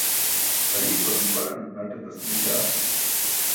Hariipar nuparan naṭ etas meeybila.